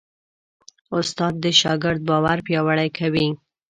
استاد د شاګرد باور پیاوړی کوي.